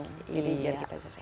jadi biar kita bisa sehat